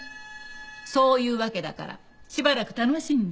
そういうわけだからしばらく楽しんで。